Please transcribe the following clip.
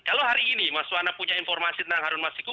kalau hari ini mas wana punya informasi tentang harun masiku